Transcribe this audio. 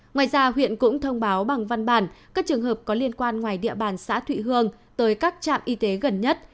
ngoài ra huyện cũng thông báo bằng văn bản các trường hợp có liên quan ngoài địa bàn xã thụy hương tới các trạm y tế gần nhất